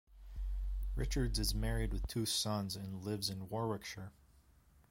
Richards is married with two sons, and lives in Warwickshire.